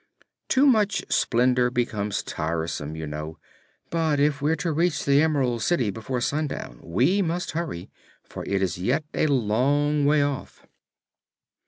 Too much splendor becomes tiresome, you know. But, if we're to reach the Emerald City before sundown, we must hurry, for it is yet a long way off."